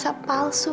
semuanya terasa palsu